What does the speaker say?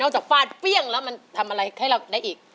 จากฟาดเปรี้ยงแล้วมันทำอะไรให้เราได้อีก